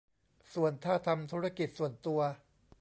ส่วนถ้าทำธุรกิจส่วนตัว